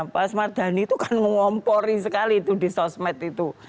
pak smart dhani itu kan ngompori sekali itu di sosmed itu